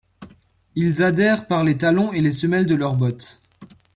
Ils adhèrent par les talons et les semelles de leurs bottes...